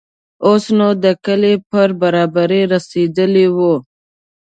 اوس نو د کلي پر برابري رسېدلي وو.